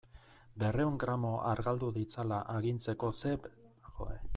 Berrehun gramo argaldu ditzala agintzeko zer behar dago?